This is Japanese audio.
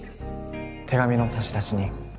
手紙の差出人